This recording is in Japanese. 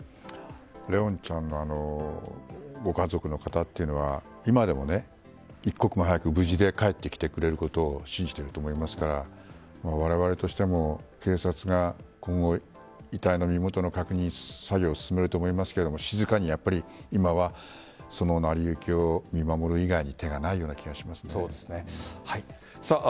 怜音ちゃんのご家族の方は今でも、一刻も早く無事で帰ってきてくれることを信じていると思いますからわれわれとしても、警察が今後、遺体の身元の確認作業を進めると思いますが静かに今はその成り行きを見守る以外に手がないような気がしますね。